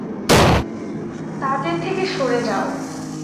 তাদের থেকে সরে যাও।